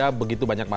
sampai jumpa lagi